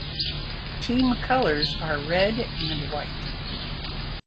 Team Colors are Red and White.